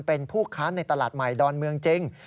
เป็นผู้ค้าในตลาดใหม่ดอนเมืองจริง